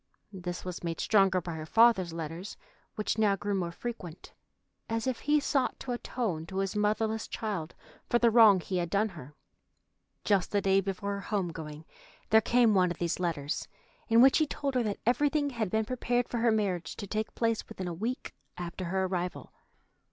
This was made stronger by her father's letters, which now grew more frequent, as if he sought to atone to his motherless child for the wrong he had done her. Just the day before her home going there came one of these letters, in which he told her that everything had been prepared for her marriage to take place within a week after her arrival.